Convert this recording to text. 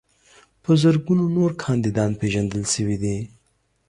په زرګونو نور کاندیدان پیژندل شوي دي.